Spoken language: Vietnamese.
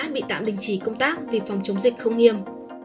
bị tạm đình chỉ công tác vì phòng chống dịch không nghiêm